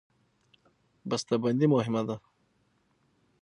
بسته بندي مهمه ده.